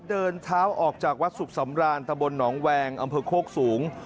เดินเท้าออกจากวัดสุขสำรานตะบนหนองแวงอำเภอโคกสูง